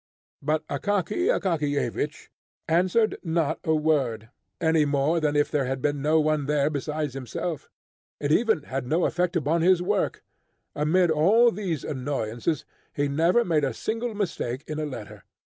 But Akaky Akakiyevich answered not a word, any more than if there had been no one there besides himself. It even had no effect upon his work. Amid all these annoyances he never made a single mistake in a letter.